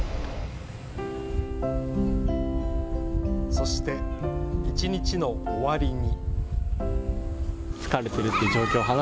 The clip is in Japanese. そして、一日の終わりに。